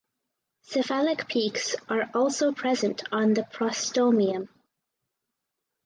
Cephalic peaks are also present on the prostomium.